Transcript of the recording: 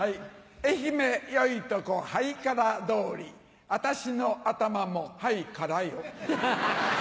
愛媛よいとこハイカラ通り私の頭もハイカラよ。